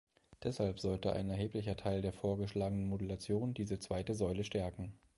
Deshalb sollte ein erheblicher Teil der vorgeschlagenen Modulation diese zweite Säule stärken.